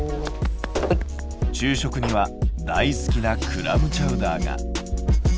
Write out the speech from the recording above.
昼食には大好きなクラムチャウダーが。